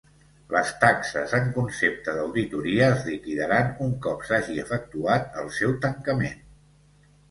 Les taxes en concepte d'auditoria es liquidaran un cop s'hagi efectuat el seu tancament.